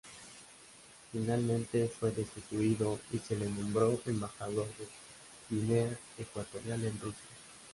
Finalmente fue destituido y se le nombró Embajador de Guinea Ecuatorial en Rusia.